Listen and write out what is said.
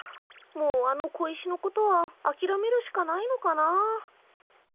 もうあの小石のことはあきらめるしかないのかなあ。